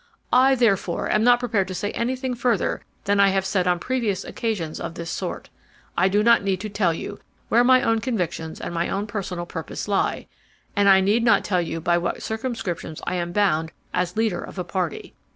I, therefore, am not prepared to say anything further than I have said on previous occasions of this sort. "I do not need to tell you where my own convictions and my own personal purpose lie, and I need not tell you by what circumscriptions I am bound as leader of a party.